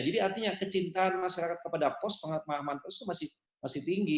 jadi artinya kecintaan masyarakat kepada pos pengerti pengerti pos itu masih tinggi